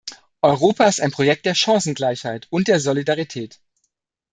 Europa ist ein Projekt der Chancengleichheit und der Solidarität.